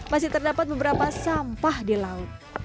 masih terdapat beberapa sampah di laut